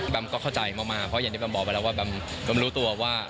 ก็เข้าใจมากเพราะอย่างที่แมมบอกไปแล้วว่าแบมรู้ตัวว่า